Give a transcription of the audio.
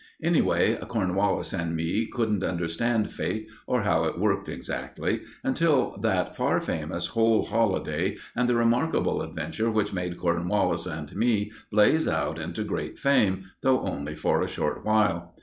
Anyway, Cornwallis and me couldn't understand Fate, or how it worked exactly, until that far famous whole holiday and the remarkable adventure which made Cornwallis and me blaze out into great fame, though only for a short while.